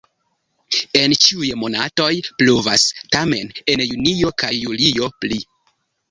En ĉiuj monatoj pluvas, tamen en junio kaj julio pli.